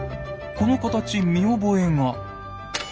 この形見覚えが。